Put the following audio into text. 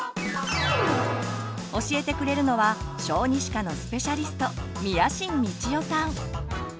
教えてくれるのは小児歯科のスペシャリスト